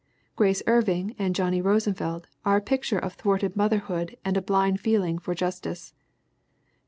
Grace Irving and Johnny Rosenfeld are a picture of thwarted motherhood and a blind feeling for justice.